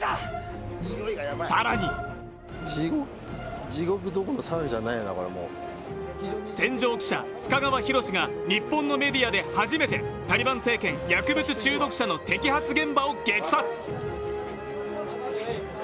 更に戦場記者、須賀川拓が日本のメディアで初めてタリバン政権、薬物中毒者の摘発現場を激撮。